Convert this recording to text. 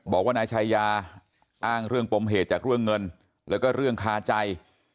บอกว่านายชายาอ้างเรื่องปมเหตุจากเรื่องเงินแล้วก็เรื่องคาใจ